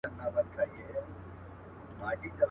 زه به منګی په لپو ورو ورو ډکومه.